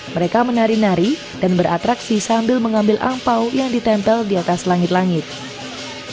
mereka menari nari dan beratraksi sambil mengambil angpau yang ditempel di atas toko